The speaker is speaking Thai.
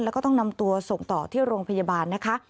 แล้วก็ต้องนำตัวส่งต่อที่โรงพยาบาลนะคะ